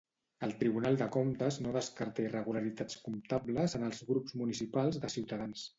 El Tribunal de Comptes no descarta irregularitats comptables en els grups municipals de Cs.